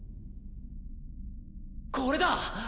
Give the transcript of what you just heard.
これだ！